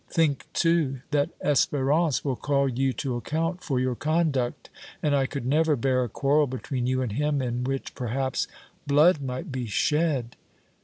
Think, too, that Espérance will call you to account for your conduct, and I could never bear a quarrel between you and him in which, perhaps, blood might be shed!"